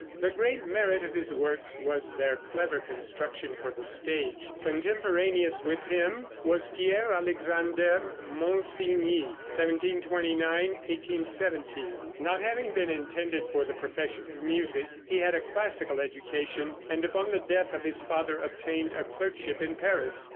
The great merit of his works was their clever construction for the stage. Contemporaneous with him was Pierre Alexander Monsigny (1729 1817). Not having been intended for the profession of music, he had a classical education, and upon the death of his father obtained a clerkship in Paris.